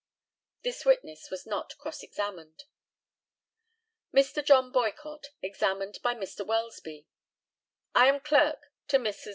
This witness was not cross examined. Mr. JOHN BOYCOTT, examined by Mr. WELSBY: I am clerk to Messrs.